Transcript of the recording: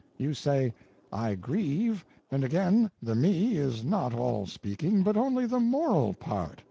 You say, "I grieve," and again the Me is not all speaking, but only the _moral _part.